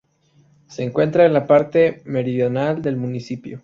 Se encuentra en la parte meridional del municipio.